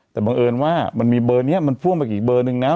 แต่บังเอิญว่ามันมีเบอร์นี้มันพ่วงไปอีกเบอร์นึงนะ